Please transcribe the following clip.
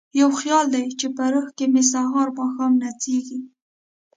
یو خیال دی چې په روح کې مې سهار ماښام نڅیږي